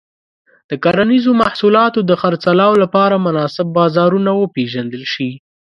د کرنيزو محصولاتو د خرڅلاو لپاره مناسب بازارونه وپیژندل شي.